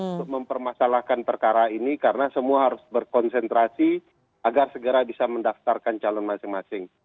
untuk mempermasalahkan perkara ini karena semua harus berkonsentrasi agar segera bisa mendaftarkan calon masing masing